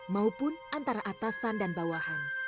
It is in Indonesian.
maupun antara atasan dan bawahan